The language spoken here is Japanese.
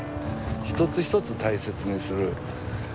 一つ一つ大切にする。